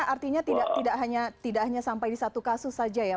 artinya tidak hanya sampai di satu kasus saja ya